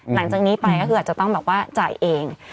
หลังจากนี้ไปก็คืออาจจะต้องแบบว่าจ่ายเอง